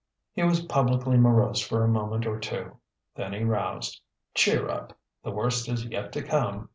He was publicly morose for a moment or two. Then he roused: "Cheer up! The worst is yet to come.